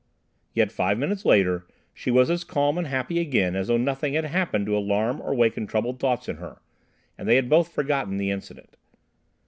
Yet five minutes later she was as calm and happy again as though nothing had happened to alarm or waken troubled thoughts in her, and they had both forgotten the incident.